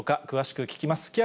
詳しく聞きます。